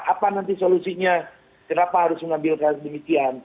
apa nanti solusinya kenapa harus mengambil demikian